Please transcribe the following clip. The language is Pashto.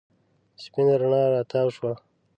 سپېنه رڼا راتاو شوه.